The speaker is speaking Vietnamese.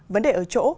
vấn đề ở chỗ